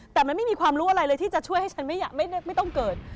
แต่มันไม่มีความรู้อะไรเลยที่จะช่วยให้ฉันไม่ต้องเกิด